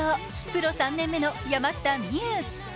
プロ３年目の山下美夢有。